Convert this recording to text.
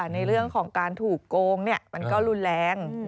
ในเรื่องของการถูกโกงมันก็รุนแรง